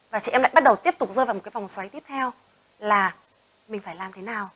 và chị em lại bắt đầu tiếp tục rơi vào một cái vòng xoáy tiếp theo là mình phải làm thế nào